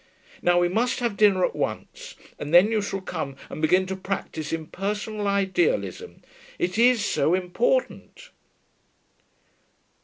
Now we must have dinner at once, and then you shall come and begin to practise impersonal idealism. It is so important.'